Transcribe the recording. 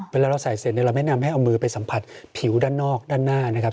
เวลาเราใส่เสร็จเนี่ยเราแนะนำให้เอามือไปสัมผัสผิวด้านนอกด้านหน้านะครับ